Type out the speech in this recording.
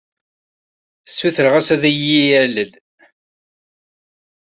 Ssutreɣ-as ad iyi-yalel.